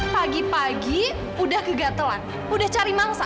pagi pagi udah kegatelan udah cari mangsa